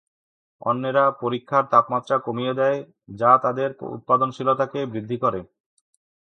অন্যেরা পরীক্ষার তাপমাত্রা কমিয়ে দেয়, যা তাদের উৎপাদনশীলতাকে বৃদ্ধি করে।